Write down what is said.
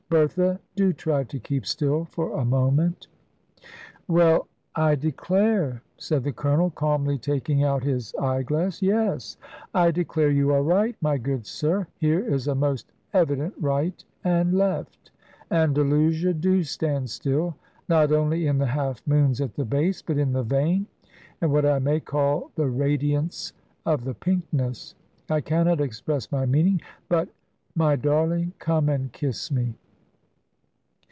Bertha, do try to keep still for a moment." "Well, I declare," said the Colonel, calmly taking out his eye glass; "yes, I declare you are right, my good sir. Here is a most evident right and left Andalusia, do stand still not only in the half moons at the base, but in the vein, and what I may call the radiants of the pinkness. I cannot express my meaning, but my darling, come and kiss me."